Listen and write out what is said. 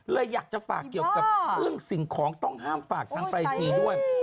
เลยอยากจะฝากเกี่ยวกับเรื่องสิ่งของต้องห้ามฝากทางปรายศนีย์ด้วย